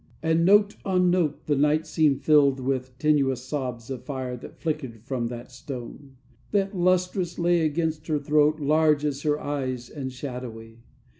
And note on note The night seemed filled with tenuous sobs Of fire that flickered from that stone, That, lustrous, lay against her throat, Large as her eyes, and shadowy.